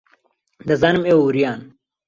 دەزانم ئێوە وریان.